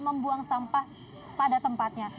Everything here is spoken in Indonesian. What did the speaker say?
membuang sampah pada tempatnya